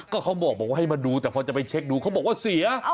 ก็เขาบอกว่าให้มาดูแต่พอจะไปเช็คดูเขาบอกว่าเสีย